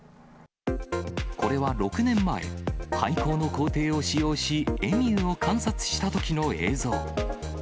これは６年前、廃校の校庭を使用し、エミューを観察したときの映像。